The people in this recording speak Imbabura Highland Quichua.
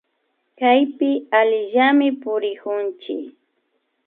Kaypi allillami purikunchik